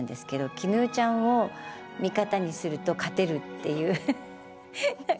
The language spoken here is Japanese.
「絹代ちゃんを味方にすると勝てる」っていう。